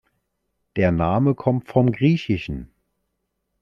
Der Name kommt vom griech.